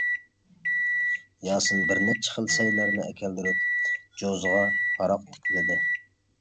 ياسىن بىر نەچچە خىل سەيلەرنى ئەكەلدۈرۈپ، جوزىغا ھاراق تىكلىدى.